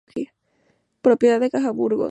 Propiedad de "Caja Burgos".